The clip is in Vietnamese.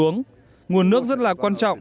nước đức rất là quan trọng